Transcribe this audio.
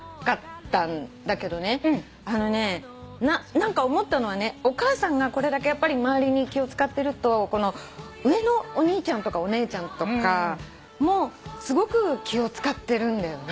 何か思ったのはお母さんがこれだけ周りに気を使ってると上のお兄ちゃんとかお姉ちゃんとかもすごく気を使ってるんだよね。